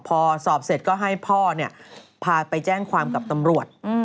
พอสอบเสร็จก็ให้พ่อพาไปแจ้งความกับตำรวจ